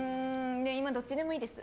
でも今、どっちでもいいです。